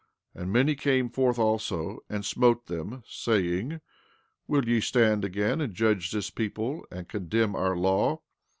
And many came forth also, and smote them, saying: Will ye stand again and judge this people, and condemn our law?